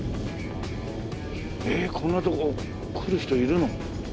ええこんなとこ来る人いるの？